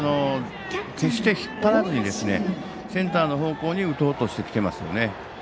決して引っ張らずにセンターの方向に打とうとしてきていますよね。